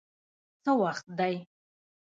څه وخت دی؟